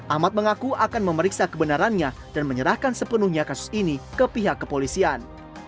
ahmad mengaku akan memeriksa kebenarannya dan menyerahkan sepenuhnya kasus ini ke pihak kepolisian